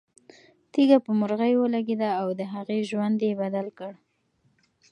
تیږه په مرغۍ ولګېده او د هغې ژوند یې بدل کړ.